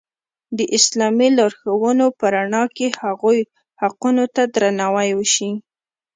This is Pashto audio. د اسلامي لارښوونو په رڼا کې هغوی حقونو ته درناوی وشي.